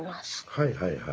はいはいはい。